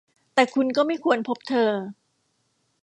แต่คุณก็ไม่ควรพบเธอ !